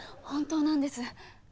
本当なんです。